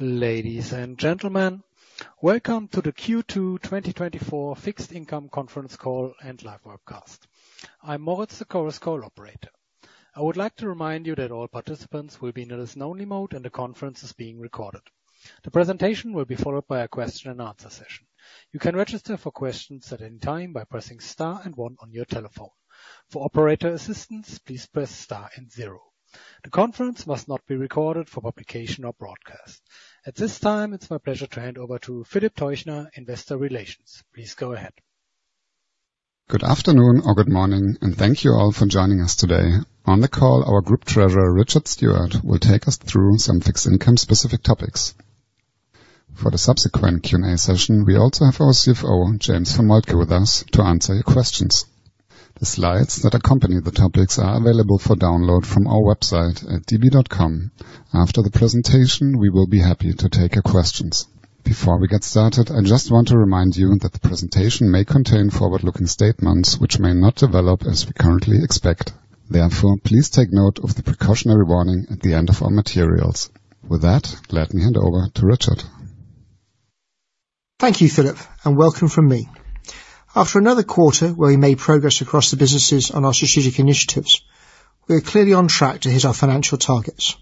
Ladies and gentlemen, welcome to the Q2 2024 Fixed Income Conference Call and Live Webcast. I'm Moritz, the Chorus Call Operator. I would like to remind you that all participants will be in a listen-only mode, and the conference is being recorded. The presentation will be followed by a question-and-answer session. You can register for questions at any time by pressing Star and 1 on your telephone. For operator assistance, please press Star and 0. The conference must not be recorded for publication or broadcast. At this time, it's my pleasure to hand over to Philip Teuchner, Investor Relations. Please go ahead. Good afternoon or good morning, and thank you all for joining us today. On the call, our Group Treasurer, Richard Stewart, will take us through some fixed income-specific topics. For the subsequent Q&A session, we also have our CFO, James von Moltke, with us to answer your questions. The slides that accompany the topics are available for download from our website at db.com. After the presentation, we will be happy to take your questions. Before we get started, I just want to remind you that the presentation may contain forward-looking statements which may not develop as we currently expect. Therefore, please take note of the precautionary warning at the end of our materials. With that, let me hand over to Richard. Thank you, Philip, and welcome from me. After another quarter where we made progress across the businesses on our strategic initiatives, we are clearly on track to hit our financial targets.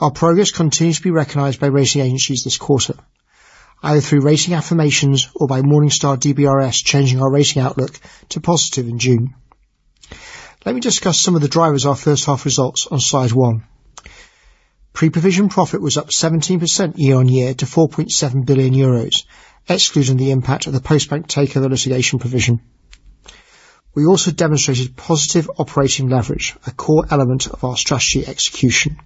Our progress continues to be recognized by rating agencies this quarter, either through rating affirmations or by Morningstar DBRS changing our rating outlook to positive in June. Let me discuss some of the drivers of our first half results on slide one. Pre-provision profit was up 17% year-on-year to €4.7 billion, excluding the impact of the Postbank takeover litigation provision. We also demonstrated positive operating leverage, a core element of our strategy execution.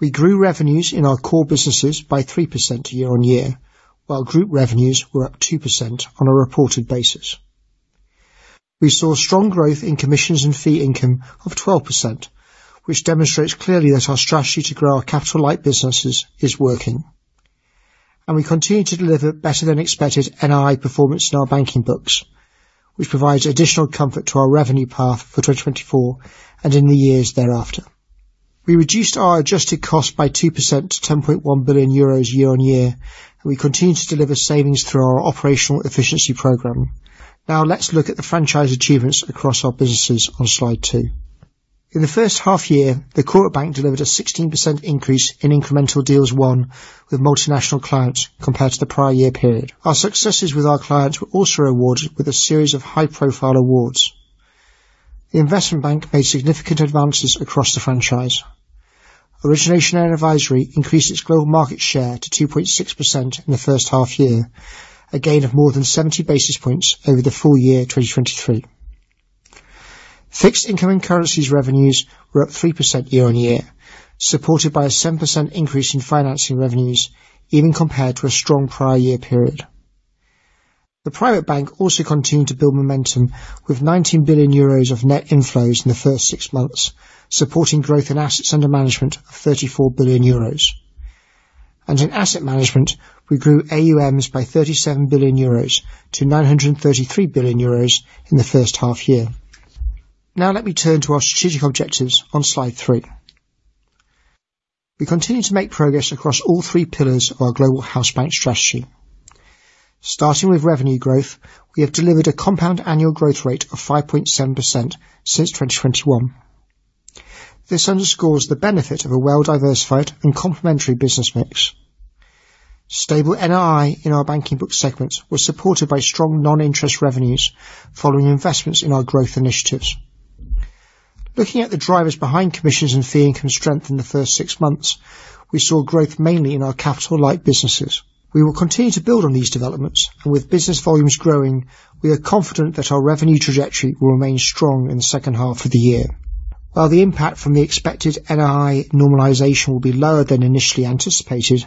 We grew revenues in our core businesses by 3% year-on-year, while group revenues were up 2% on a reported basis. We saw strong growth in commissions and fee income of 12%, which demonstrates clearly that our strategy to grow our capital-like businesses is working. We continue to deliver better-than-expected NII performance in our banking books, which provides additional comfort to our revenue path for 2024 and in the years thereafter. We reduced our adjusted cost by 2% to €10.1 billion year-on-year, and we continue to deliver savings through our operational efficiency program. Now, let's look at the franchise achievements across our businesses on slide two. In the first half year, the Corporate Bank delivered a 16% increase in incremental deals won with multinational clients compared to the prior year period. Our successes with our clients were also rewarded with a series of high-profile awards. The Investment Bank made significant advances across the franchise. Origination and Advisory increased its global market share to 2.6% in the first half year, a gain of more than 70 basis points over the full year 2023. Fixed Income and Currencies revenues were up 3% year-on-year, supported by a 7% increase in financing revenues, even compared to a strong prior year period. The Private Bank also continued to build momentum with 19 billion euros of net inflows in the first six months, supporting growth in assets under management of 34 billion euros. In Asset Management, we grew AUMs by 37 billion euros to 933 billion euros in the first half year. Now, let me turn to our strategic objectives on slide three. We continue to make progress across all three pillars of our global house bank strategy. Starting with revenue growth, we have delivered a compound annual growth rate of 5.7% since 2021. This underscores the benefit of a well-diversified and complementary business mix. Stable NII in our banking book segments was supported by strong non-interest revenues following investments in our growth initiatives. Looking at the drivers behind commissions and fee income strength in the first six months, we saw growth mainly in our capital-like businesses. We will continue to build on these developments, and with business volumes growing, we are confident that our revenue trajectory will remain strong in the second half of the year. While the impact from the expected NII normalization will be lower than initially anticipated,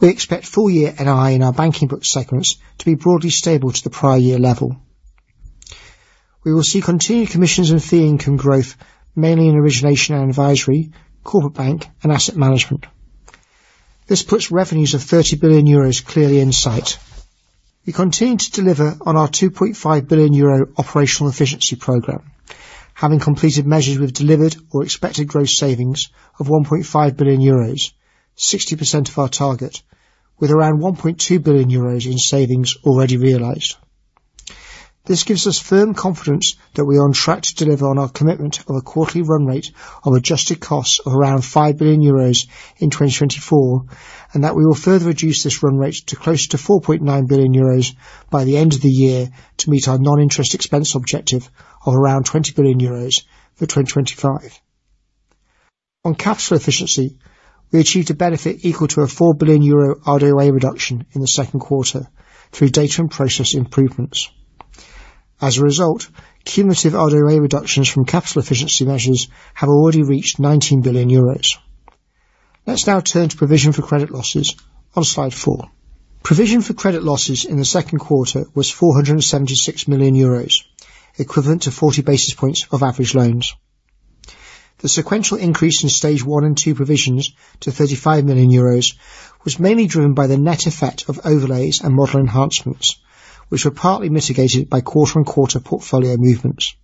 we expect full-year NII in our banking book segments to be broadly stable to the prior year level. We will see continued commissions and fee income growth mainly in Origination and Advisory, Corporate Bank, and Asset Management. This puts revenues of 30 billion euros clearly in sight. We continue to deliver on our 2.5 billion euro operational efficiency program, having completed measures with delivered or expected gross savings of 1.5 billion euros, 60% of our target, with around 1.2 billion euros in savings already realized. This gives us firm confidence that we are on track to deliver on our commitment of a quarterly run rate of adjusted costs of around €5 billion in 2024, and that we will further reduce this run rate to closer to €4.9 billion by the end of the year to meet our non-interest expense objective of around €20 billion for 2025. On capital efficiency, we achieved a benefit equal to a €4 billion RWA reduction in the second quarter through data and process improvements. As a result, cumulative RWA reductions from capital efficiency measures have already reached €19 billion. Let's now turn to provision for credit losses on slide four. Provision for credit losses in the second quarter was €476 million, equivalent to 40 basis points of average loans. The sequential increase in stage one and two provisions to €35 million was mainly driven by the net effect of overlays and model enhancements, which were partly mitigated by quarter-on-quarter portfolio movements.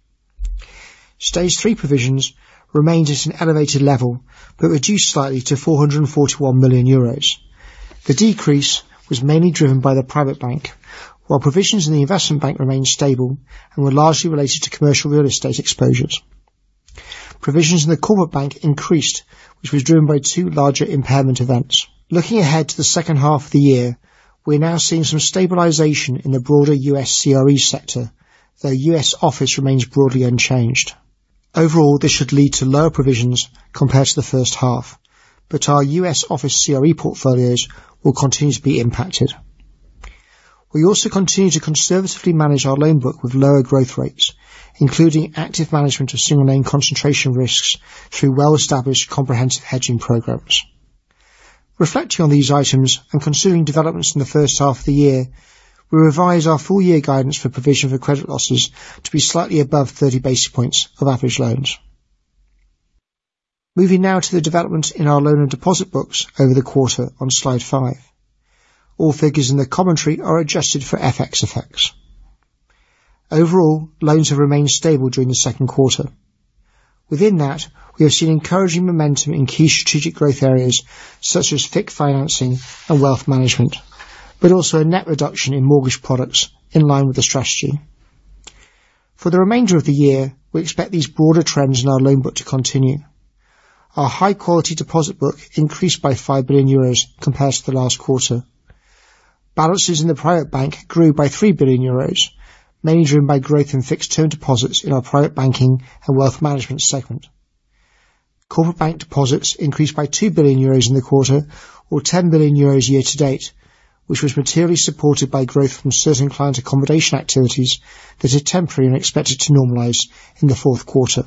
Stage three provisions remained at an elevated level but reduced slightly to €441 million. The decrease was mainly driven by the Private Bank, while provisions in the Investment Bank remained stable and were largely related to commercial real estate exposures. Provisions in the Corporate Bank increased, which was driven by two larger impairment events. Looking ahead to the second half of the year, we're now seeing some stabilization in the broader U.S. CRE sector, though U.S. office remains broadly unchanged. Overall, this should lead to lower provisions compared to the first half, but our U.S. office CRE portfolios will continue to be impacted. We also continue to conservatively manage our loan book with lower growth rates, including active management of single-name concentration risks through well-established comprehensive hedging programs. Reflecting on these items and considering developments in the first half of the year, we revise our full-year guidance for provision for credit losses to be slightly above 30 basis points of average loans. Moving now to the developments in our loan and deposit books over the quarter on slide 5. All figures in the commentary are adjusted for FX effects. Overall, loans have remained stable during the second quarter. Within that, we have seen encouraging momentum in key strategic growth areas such as FIC Financing and Wealth Management, but also a net reduction in mortgage products in line with the strategy. For the remainder of the year, we expect these broader trends in our loan book to continue. Our high-quality deposit book increased by 5 billion euros compared to the last quarter. Balances in the Private Bank grew by 3 billion euros, mainly driven by growth in fixed-term deposits in our Private Banking and Wealth Management segment. Corporate Bank deposits increased by 2 billion euros in the quarter, or 10 billion euros year-to-date, which was materially supported by growth from certain client accommodation activities that are temporary and expected to normalize in the fourth quarter.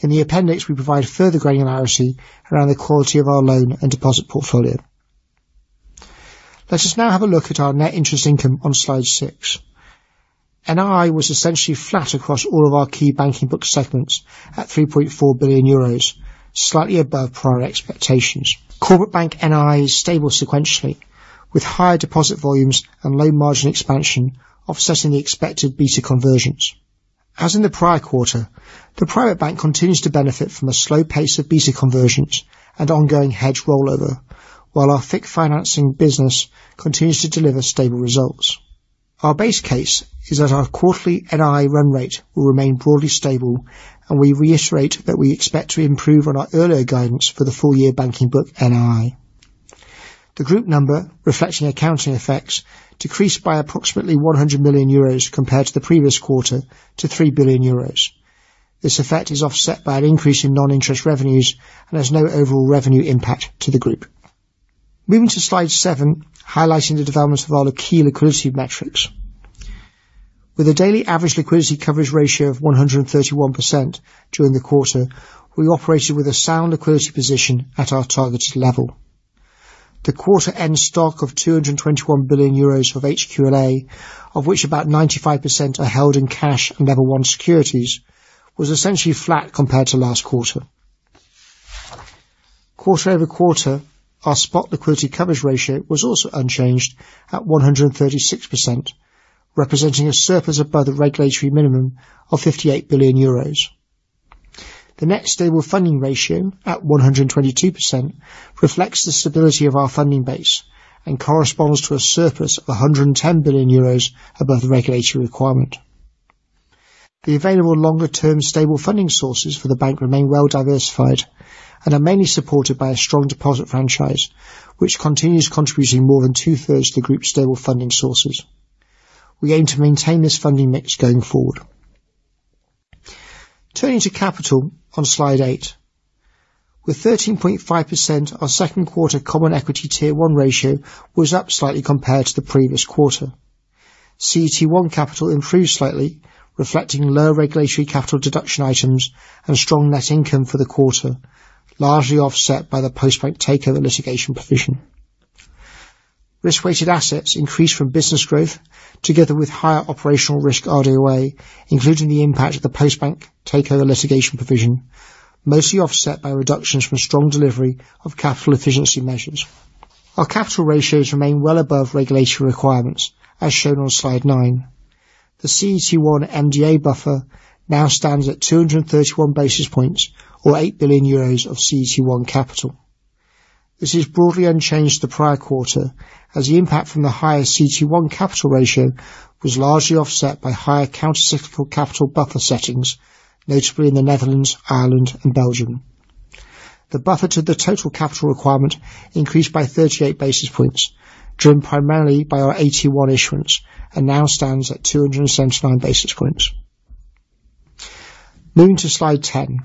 In the appendix, we provide further granularity around the quality of our loan and deposit portfolio. Let us now have a look at our net interest income on slide six. NII was essentially flat across all of our key banking book segments at 3.4 billion euros, slightly above prior expectations. Corporate Bank NII is stable sequentially, with higher deposit volumes and low margin expansion offsetting the expected beta convergence. As in the prior quarter, the Private Bank continues to benefit from a slow pace of beta convergence and ongoing hedge rollover, while our FIC Financing business continues to deliver stable results. Our base case is that our quarterly NII run rate will remain broadly stable, and we reiterate that we expect to improve on our earlier guidance for the full-year banking book NII. The group number, reflecting accounting effects, decreased by approximately 100 million euros compared to the previous quarter to 3 billion euros. This effect is offset by an increase in non-interest revenues and has no overall revenue impact to the group. Moving to slide 7, highlighting the developments of our key liquidity metrics. With a daily average liquidity coverage ratio of 131% during the quarter, we operated with a sound liquidity position at our targeted level. The quarter-end stock of €221 billion of HQLA, of which about 95% are held in cash and level one securities, was essentially flat compared to last quarter. Quarter-over-quarter, our spot Liquidity Coverage Ratio was also unchanged at 136%, representing a surplus above the regulatory minimum of €58 billion. The Net Stable Funding Ratio at 122% reflects the stability of our funding base and corresponds to a surplus of €110 billion above the regulatory requirement. The available longer-term stable funding sources for the bank remain well-diversified and are mainly supported by a strong deposit franchise, which continues contributing more than two-thirds of the group's stable funding sources. We aim to maintain this funding mix going forward. Turning to capital on Slide 8. With 13.5%, our second quarter Common Equity Tier one ratio was up slightly compared to the previous quarter. CET1 capital improved slightly, reflecting low regulatory capital deduction items and strong net income for the quarter, largely offset by the Postbank takeover litigation provision. Risk-weighted assets increased from business growth, together with higher operational risk RWA, including the impact of the Postbank takeover litigation provision, mostly offset by reductions from strong delivery of capital efficiency measures. Our capital ratios remain well above regulatory requirements, as shown on slide nine. The CET1 MDA buffer now stands at 231 basis points, or €8 billion of CET1 capital. This is broadly unchanged to the prior quarter, as the impact from the higher CET1 capital ratio was largely offset by higher countercyclical capital buffer settings, notably in the Netherlands, Ireland, and Belgium. The buffer to the total capital requirement increased by 38 basis points, driven primarily by our AT1 issuance, and now stands at 279 basis points. Moving to slide ten.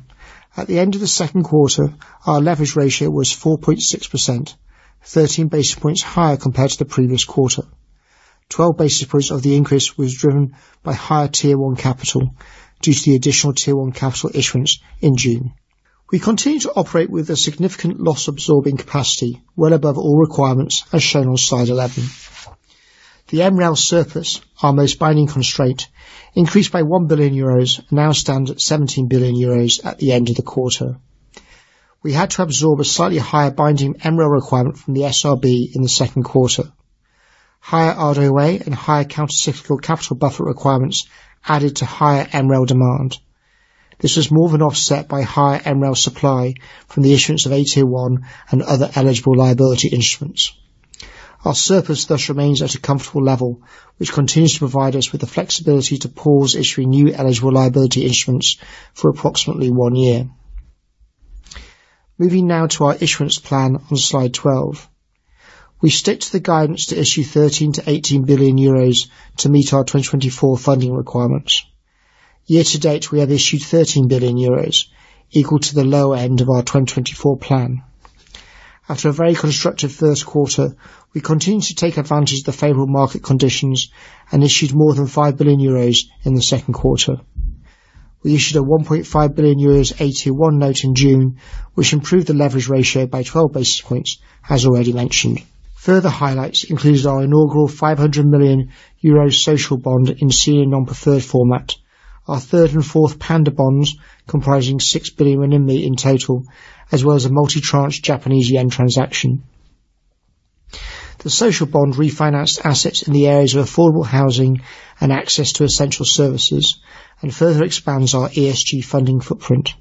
At the end of the second quarter, our leverage ratio was 4.6%, 13 basis points higher compared to the previous quarter. 12 basis points of the increase was driven by higher tier one capital due to the Additional Tier one capital issuance in June. We continue to operate with a significant loss-absorbing capacity, well above all requirements, as shown on slide 11. The MREL surplus, our most binding constraint, increased by 1 billion euros and now stands at 17 billion euros at the end of the quarter. We had to absorb a slightly higher binding MREL requirement from the SRB in the second quarter. Higher RWA and higher countercyclical capital buffer requirements added to higher MREL demand. This was more than offset by higher MREL supply from the issuance of AT1 and other eligible liability instruments. Our surplus thus remains at a comfortable level, which continues to provide us with the flexibility to pause issuing new eligible liability instruments for approximately one year. Moving now to our issuance plan on slide 12. We stick to the guidance to issue €13-€18 billion to meet our 2024 funding requirements. Year-to-date, we have issued €13 billion, equal to the lower end of our 2024 plan. After a very constructive first quarter, we continued to take advantage of the favorable market conditions and issued more than €5 billion in the second quarter. We issued a €1.5 billion AT1 note in June, which improved the leverage ratio by 12 basis points, as already mentioned. Further highlights included our inaugural €500 million social bond in senior non-preferred format, our third and fourth Panda bonds comprising €6 billion in total, as well as a multi-tranche Japanese yen transaction. The social bond refinanced assets in the areas of affordable housing and access to essential services and further expands our ESG funding footprint.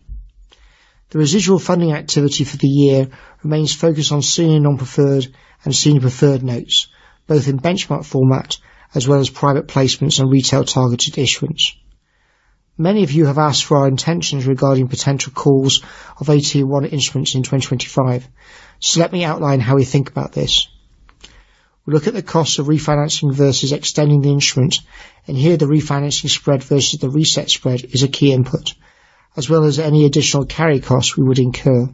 The residual funding activity for the year remains focused on senior non-preferred and senior preferred notes, both in benchmark format as well as private placements and retail targeted issuance. Many of you have asked for our intentions regarding potential calls of AT1 instruments in 2025, so let me outline how we think about this. We look at the cost of refinancing versus extending the instrument, and here the refinancing spread versus the reset spread is a key input, as well as any additional carry costs we would incur.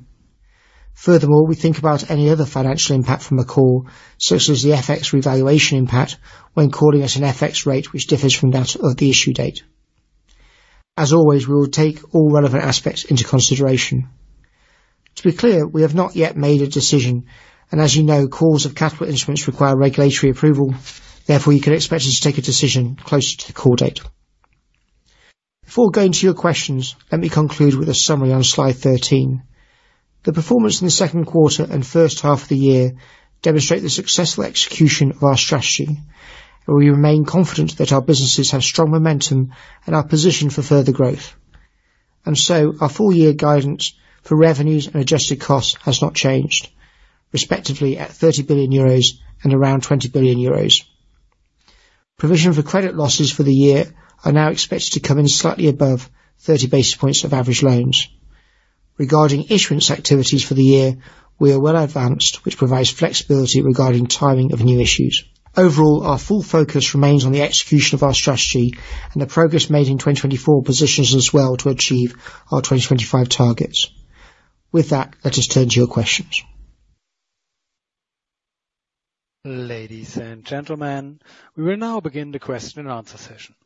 Furthermore, we think about any other financial impact from a call, such as the FX revaluation impact when calling at an FX rate which differs from that of the issue date. As always, we will take all relevant aspects into consideration. To be clear, we have not yet made a decision, and as you know, calls of capital instruments require regulatory approval. Therefore, you can expect us to take a decision closer to the call date. Before going to your questions, let me conclude with a summary on slide 13. The performance in the second quarter and first half of the year demonstrate the successful execution of our strategy, and we remain confident that our businesses have strong momentum and are positioned for further growth. So, our full-year guidance for revenues and adjusted costs has not changed, respectively at 30 billion euros and around 20 billion euros. Provision for Credit Losses for the year are now expected to come in slightly above 30 basis points of average loans. Regarding issuance activities for the year, we are well advanced, which provides flexibility regarding timing of new issues. Overall, our full focus remains on the execution of our strategy and the progress made in 2024 positions us well to achieve our 2025 targets. With that, let us turn to your questions. Ladies and gentlemen, we will now begin the question and answer session.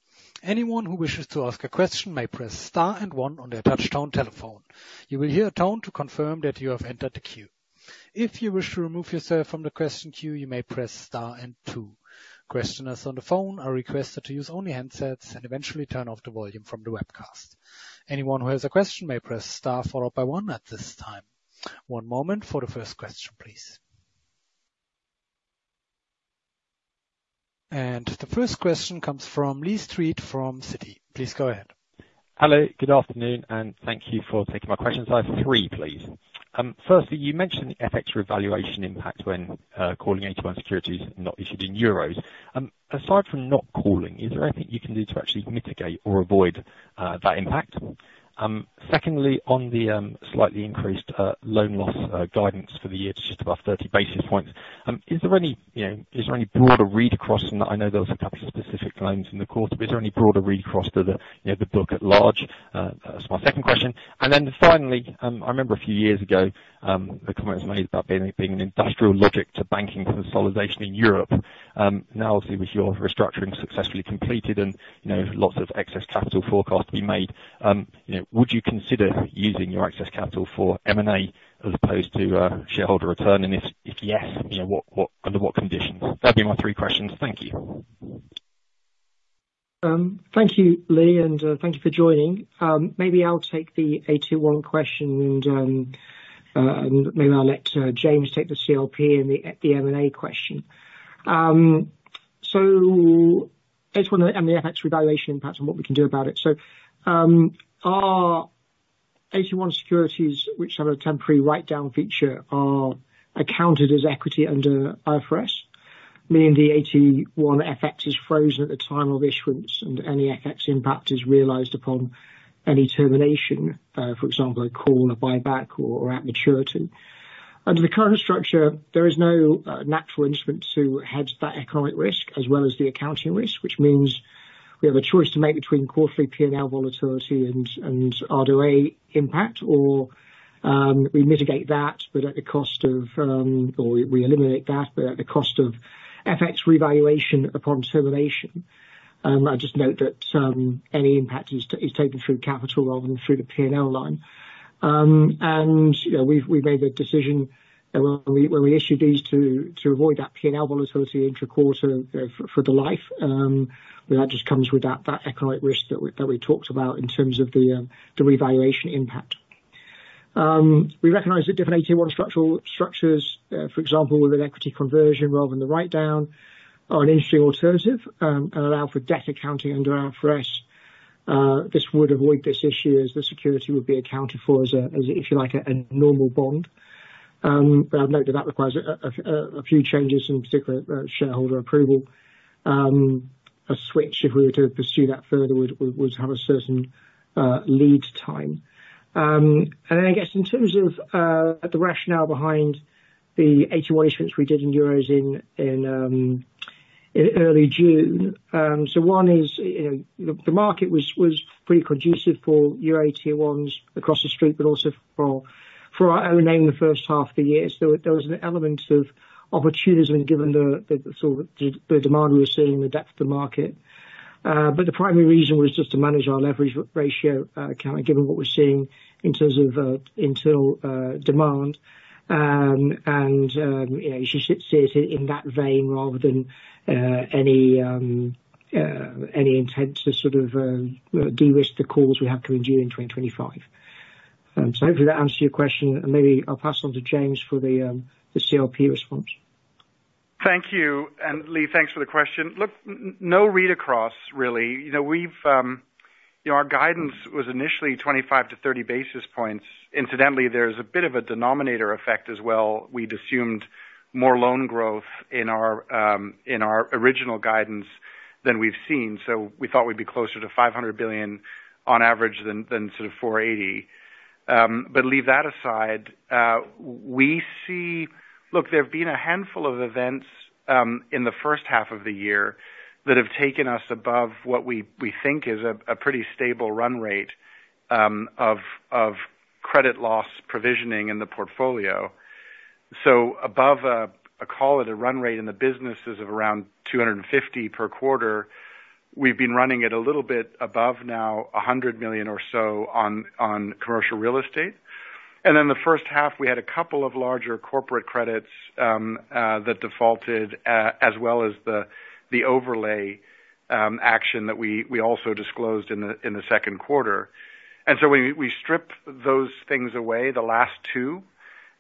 Anyone who wishes to ask a question may press star and one on their touch-tone telephone. You will hear a tone to confirm that you have entered the queue. If you wish to remove yourself from the question queue, you may press star and two. Questioners on the phone are requested to use only handsets and eventually turn off the volume from the webcast. Anyone who has a question may press star followed by one at this time. One moment for the first question, please. The first question comes from Lee Street from Citi. Please go ahead. Hello, good afternoon, and thank you for taking my questions. I have three, please. Firstly, you mentioned the FX revaluation impact when calling AT1 securities not issued in euros. Aside from not calling, is there anything you can do to actually mitigate or avoid that impact? Secondly, on the slightly increased loan loss guidance for the year to just above 30 basis points, is there any broader read across? I know there were a couple of specific loans in the quarter, but is there any broader read across to the book at large? That's my second question. And then finally, I remember a few years ago the comments made about being an industrial logic to banking consolidation in Europe. Now, obviously, with your restructuring successfully completed and lots of excess capital forecast to be made, would you consider using your excess capital for M&A as opposed to shareholder return? And if yes, under what conditions? That'd be my three questions. Thank you. Thank you, Lee, and thank you for joining. Maybe I'll take the AT1 question, and maybe I'll let James take the CLP and the M&A question. So I just want to end the FX revaluation impact and what we can do about it. So our AT1 securities, which have a temporary write-down feature, are accounted as equity under IFRS, meaning the AT1 FX is frozen at the time of issuance, and any FX impact is realized upon any termination, for example, a call, a buyback, or at maturity. Under the current structure, there is no natural instrument to hedge that economic risk, as well as the accounting risk, which means we have a choice to make between quarterly P&L volatility and RWA impact, or we mitigate that, but at the cost of, or we eliminate that, but at the cost of FX revaluation upon termination. I just note that any impact is taken through capital rather than through the P&L line. We've made a decision when we issued these to avoid that P&L volatility into quarter for the life, but that just comes with that economic risk that we talked about in terms of the revaluation impact. We recognize that different AT1 structures, for example, with an equity conversion rather than the write-down, are an interesting alternative and allow for debt accounting under IFRS. This would avoid this issue as the security would be accounted for as, if you like, a normal bond. But I've noted that requires a few changes, in particular shareholder approval. A switch, if we were to pursue that further, would have a certain lead time. Then I guess in terms of the rationale behind the AT1 issuance we did in euros in early June, so one is the market was pretty conducive for euro AT1s across the street, but also for our own name the first half of the year. So there was an element of opportunism given the demand we were seeing and the depth of the market. But the primary reason was just to manage our leverage ratio, given what we're seeing in terms of internal demand. You should see it in that vein rather than any intent to sort of de-risk the calls we have coming due in 2025. So hopefully that answers your question, and maybe I'll pass on to James for the CLP response. Thank you. Lee, thanks for the question. Look, no read across, really. Our guidance was initially 25-30 basis points. Incidentally, there's a bit of a denominator effect as well. We'd assumed more loan growth in our original guidance than we've seen, so we thought we'd be closer to 500 billion on average than sort of 480 billion. But leave that aside. Look, there have been a handful of events in the first half of the year that have taken us above what we think is a pretty stable run rate of credit loss provisioning in the portfolio. So above a call at a run rate in the businesses of around 250 million per quarter, we've been running at a little bit above now, 100 million or so on commercial real estate. And then the first half, we had a couple of larger corporate credits that defaulted, as well as the overlay action that we also disclosed in the second quarter. And so we stripped those things away, the last two.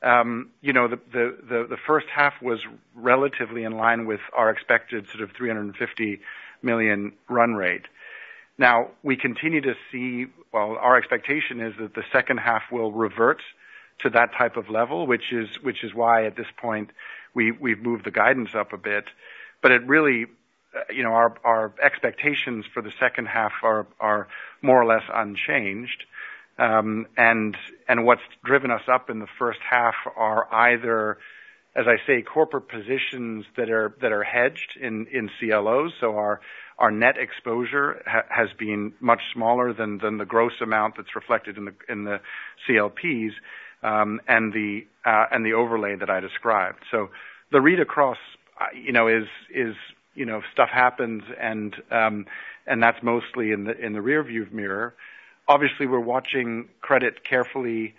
The first half was relatively in line with our expected sort of 350 million run rate. Now, we continue to see, well, our expectation is that the second half will revert to that type of level, which is why at this point we've moved the guidance up a bit. But really, our expectations for the second half are more or less unchanged. What's driven us up in the first half are either, as I say, corporate positions that are hedged in CLOs, so our net exposure has been much smaller than the gross amount that's reflected in the CLPs and the overlay that I described. So the read across is stuff happens, and that's mostly in the rearview mirror. Obviously, we're watching credit carefully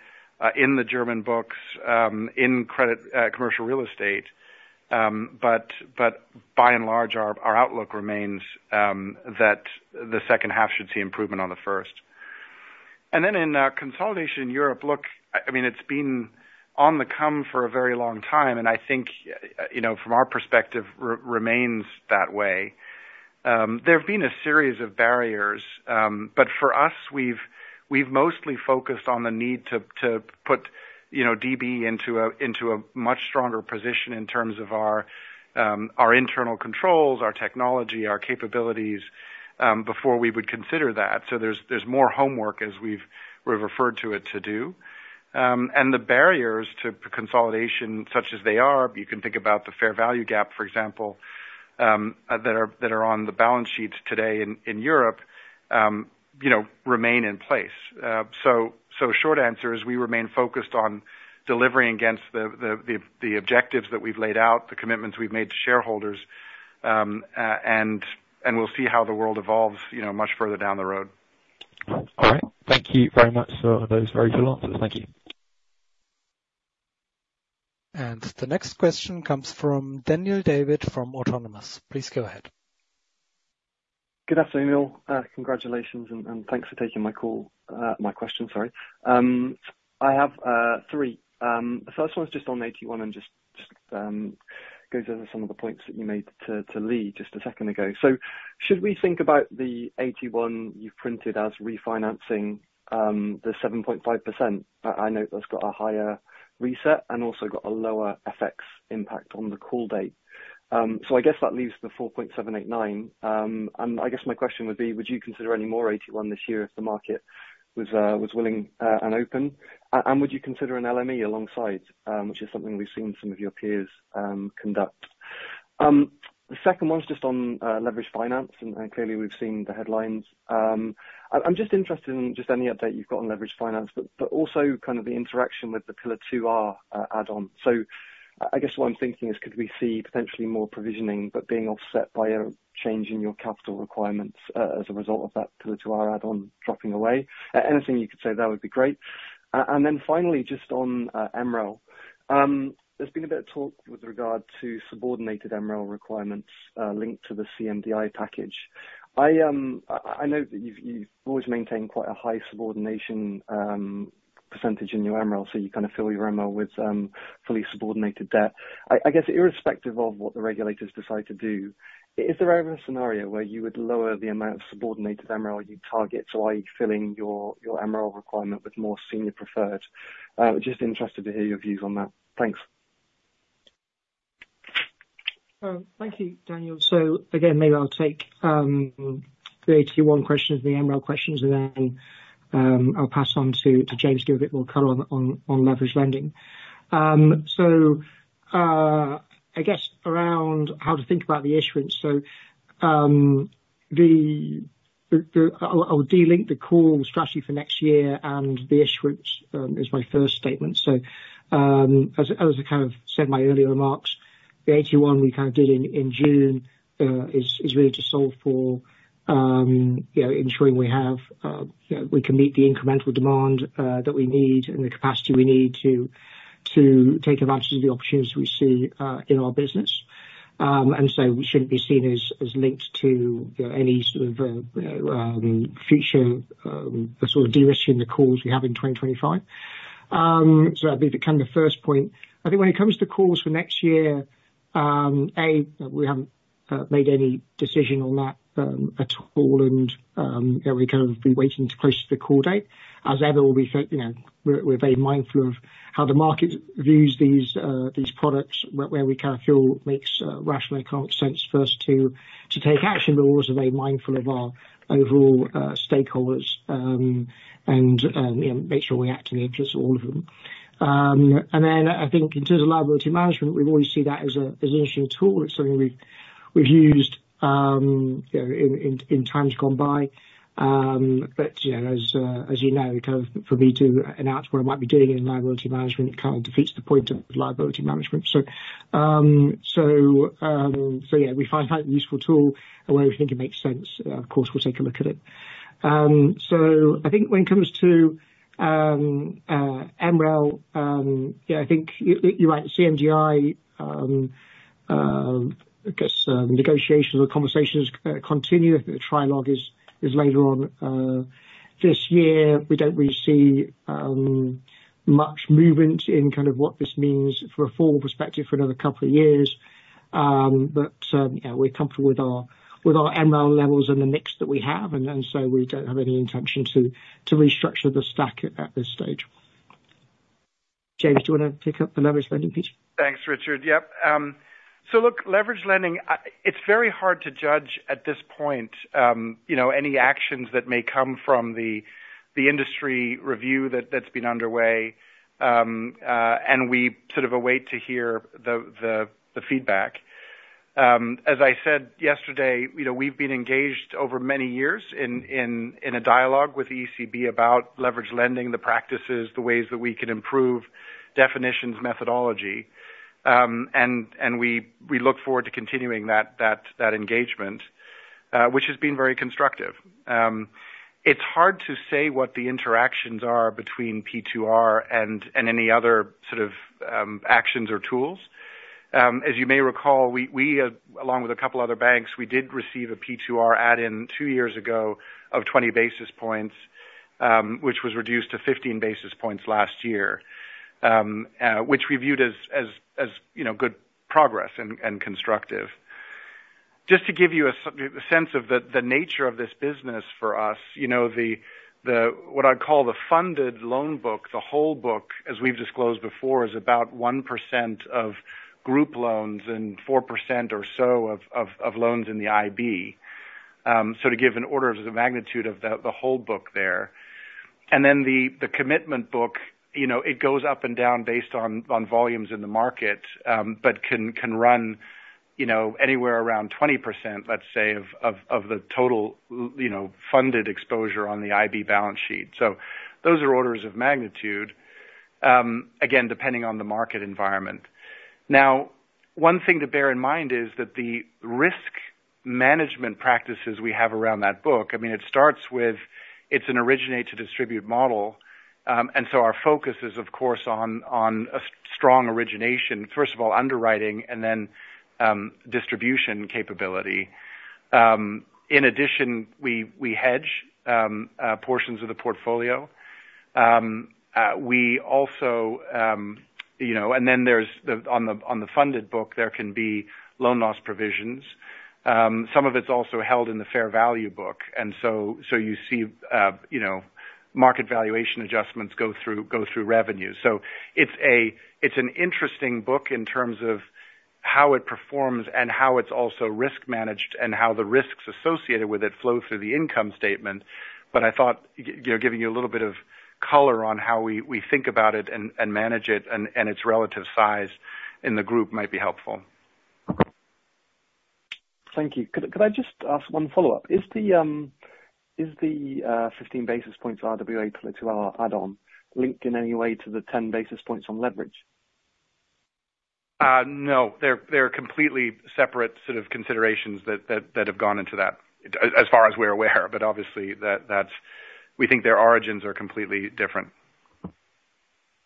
in the German books, in commercial real estate, but by and large, our outlook remains that the second half should see improvement on the first. Then in consolidation in Europe, look, I mean, it's been on the come for a very long time, and I think from our perspective remains that way. There have been a series of barriers, but for us, we've mostly focused on the need to put DB into a much stronger position in terms of our internal controls, our technology, our capabilities before we would consider that. So there's more homework, as we've referred to it, to do. And the barriers to consolidation, such as they are, you can think about the fair value gap, for example, that are on the balance sheets today in Europe, remain in place. So short answer is we remain focused on delivering against the objectives that we've laid out, the commitments we've made to shareholders, and we'll see how the world evolves much further down the road. All right. Thank you very much for those very good answers. Thank you. And the next question comes from Daniel David from Autonomous. Please go ahead. Good afternoon. Congratulations, and thanks for taking my question, sorry. I have three. The first one is just on AT1 and just goes over some of the points that you made to Lee just a second ago. So should we think about the AT1 you've printed as refinancing the 7.5%? I know that's got a higher reset and also got a lower FX impact on the call date. So I guess that leaves the 4.789%. And I guess my question would be, would you consider any more AT1 this year if the market was willing and open? And would you consider an LME alongside, which is something we've seen some of your peers conduct? The second one's just on leverage finance, and clearly we've seen the headlines. I'm just interested in just any update you've got on leverage finance, but also kind of the interaction with the Pillar 2R add-on. So I guess what I'm thinking is, could we see potentially more provisioning but being offset by a change in your capital requirements as a result of that Pillar 2R add-on dropping away? Anything you could say, that would be great. And then finally, just on MREL, there's been a bit of talk with regard to subordinated MREL requirements linked to the CMDI package. I know that you've always maintained quite a high subordination percentage in your MREL, so you kind of fill your MREL with fully subordinated debt. I guess irrespective of what the regulators decide to do, is there ever a scenario where you would lower the amount of subordinated MREL you target, so are you filling your MREL requirement with more senior preferred? Just interested to hear your views on that. Thanks. Thank you, Daniel. So again, maybe I'll take the AT1 questions, the MREL questions, and then I'll pass on to James to give a bit more color on leverage lending. So I guess around how to think about the issuance, so I'll de-link the call strategy for next year, and the issuance is my first statement. So as I kind of said in my earlier remarks, the AT1 we kind of did in June is really to solve for ensuring we can meet the incremental demand that we need and the capacity we need to take advantage of the opportunities we see in our business. And so we shouldn't be seen as linked to any sort of future sort of de-risking the calls we have in 2025. So that'd be kind of the first point. I think when it comes to calls for next year, A, we haven't made any decision on that at all, and we're kind of waiting to close the call date. As ever, we're very mindful of how the market views these products, where we kind of feel makes rational and common sense first to take action, but we're also very mindful of our overall stakeholders and make sure we act in the interest of all of them. And then I think in terms of liability management, we've always seen that as an interesting tool. It's something we've used in times gone by. But as you know, for me to announce what I might be doing in liability management kind of defeats the point of liability management. So yeah, we find it a useful tool where we think it makes sense. Of course, we'll take a look at it. So I think when it comes to MREL, I think you might see CMDI, I guess negotiations or conversations continue. The trialogue is later on this year. We don't really see much movement in kind of what this means from a formal perspective for another couple of years. But yeah, we're comfortable with our MREL levels and the mix that we have, and so we don't have any intention to restructure the stack at this stage. James, do you want to pick up the leverage lending piece? Thanks, Richard. Yep. So look, leverage lending, it's very hard to judge at this point any actions that may come from the industry review that's been underway, and we sort of await to hear the feedback. As I said yesterday, we've been engaged over many years in a dialogue with ECB about leverage lending, the practices, the ways that we can improve definitions, methodology. We look forward to continuing that engagement, which has been very constructive. It's hard to say what the interactions are between P2R and any other sort of actions or tools. As you may recall, along with a couple of other banks, we did receive a P2R add-in two years ago of 20 basis points, which was reduced to 15 basis points last year, which we viewed as good progress and constructive. Just to give you a sense of the nature of this business for us, what I'd call the funded loan book, the whole book, as we've disclosed before, is about 1% of group loans and 4% or so of loans in the IB. So to give an order of magnitude of the whole book there. And then the commitment book, it goes up and down based on volumes in the market, but can run anywhere around 20%, let's say, of the total funded exposure on the IB balance sheet. So those are orders of magnitude, again, depending on the market environment. Now, one thing to bear in mind is that the risk management practices we have around that book, I mean, it starts with it's an originate-to-distribute model. And so our focus is, of course, on a strong origination, first of all, underwriting and then distribution capability. In addition, we hedge portions of the portfolio. We also, and then on the funded book, there can be loan loss provisions. Some of it's also held in the fair value book. And so you see market valuation adjustments go through revenue. So it's an interesting book in terms of how it performs and how it's also risk managed and how the risks associated with it flow through the income statement. But I thought giving you a little bit of color on how we think about it and manage it and its relative size in the group might be helpful. Thank you. Could I just ask one follow-up? Is the 15 basis points RWA Pillar 2R add-on linked in any way to the 10 basis points on leverage? No. They're completely separate sort of considerations that have gone into that as far as we're aware. But obviously, we think their origins are completely different.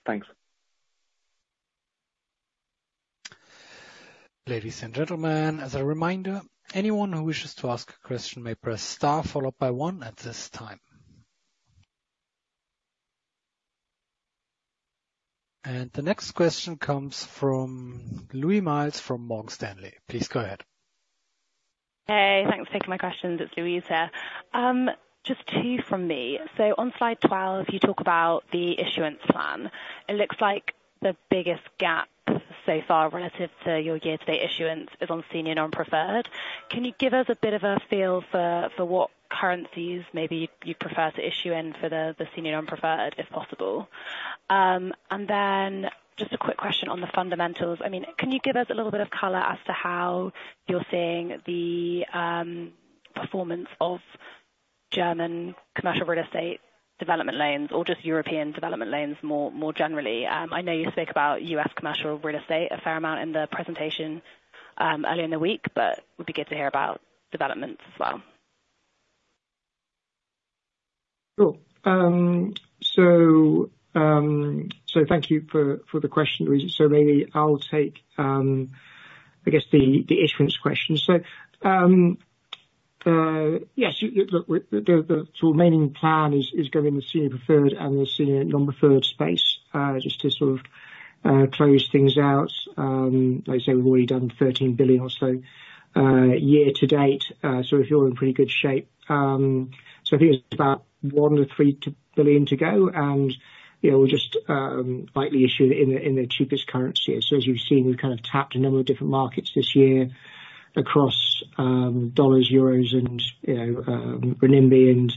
Thanks. Ladies and gentlemen, as a reminder, anyone who wishes to ask a question may press star followed by one at this time. And the next question comes from Louise Miles from Morgan Stanley. Please go ahead. Hey, thanks for taking my questions. It's Louise here. Just two from me. So on slide 12, you talk about the issuance plan. It looks like the biggest gap so far relative to your year-to-date issuance is on senior non-preferred. Can you give us a bit of a feel for what currencies maybe you'd prefer to issue in for the senior non-preferred, if possible? And then just a quick question on the fundamentals. I mean, can you give us a little bit of color as to how you're seeing the performance of German commercial real estate development loans or just European development loans more generally? I know you speak about U.S. commercial real estate a fair amount in the presentation earlier in the week, but it would be good to hear about developments as well. Cool. So thank you for the question, Louise. So maybe I'll take, I guess, the issuance question. So yes, look, the remaining plan is going in the senior preferred and the senior non-preferred space just to sort of close things out. Like I say, we've already done 13 billion or so year to date. So if you're in pretty good shape. So I think it's about 1 billion or 3 billion to go, and we'll just likely issue it in the cheapest currency. So as you've seen, we've kind of tapped a number of different markets this year across dollars, euros, and renminbi,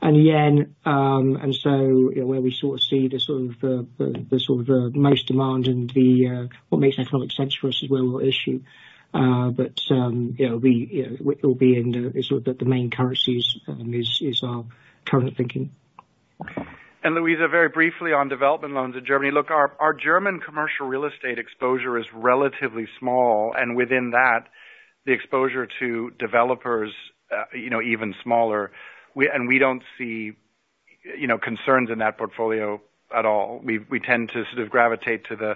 and yen. And so where we sort of see the sort of most demand and what makes economic sense for us is where we'll issue. But it will be in sort of the main currencies is our current thinking. And Louise, very briefly on development loans in Germany. Look, our German commercial real estate exposure is relatively small, and within that, the exposure to developers even smaller. We don't see concerns in that portfolio at all. We tend to sort of gravitate to the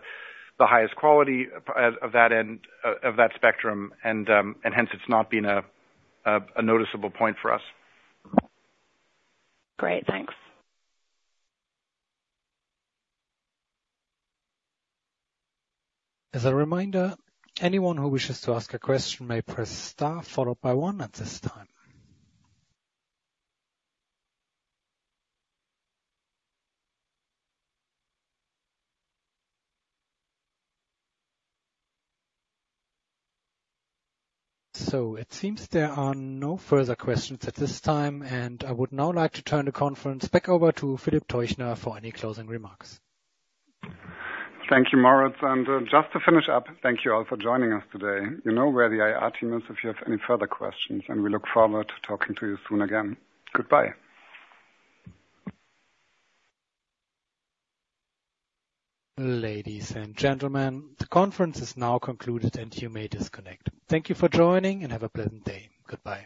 highest quality of that spectrum, and hence it's not been a noticeable point for us. Great. Thanks. As a reminder, anyone who wishes to ask a question may press star followed by one at this time. So it seems there are no further questions at this time, and I would now like to turn the conference back over to Philip Teuchner for any closing remarks. Thank you, Moritz. Just to finish up, thank you all for joining us today. You know where the IR team is if you have any further questions, and we look forward to talking to you soon again. Goodbye. Ladies and gentlemen, the conference is now concluded, and you may disconnect. Thank you for joining, and have a pleasant day. Goodbye.